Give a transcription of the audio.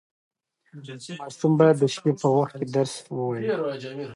ماشومان باید د شپې په وخت کې درس ووایي.